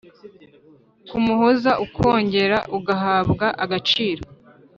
kumuhoza ukongera ugahabwa agaciro.